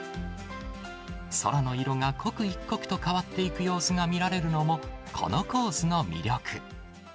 空の色が刻一刻と変わっていく様子が見られるのも、このコースの魅力。